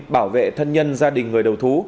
bảo vệ thân nhân gia đình người đầu thú